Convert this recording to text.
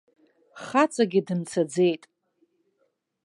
Хаҵагьы дымцаӡеит.